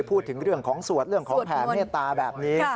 พูดถึงเรื่องของสวดเรื่องของแผ่เมตตาแบบนี้